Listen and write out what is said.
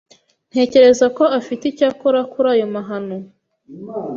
Ntekereza ko afite icyo akora kuri ayo mahano.